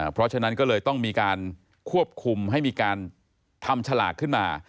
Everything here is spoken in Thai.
เพราะฉะนั้นก็เลยต้องมีการควบคุมให้มีการทำฉลากขึ้นมา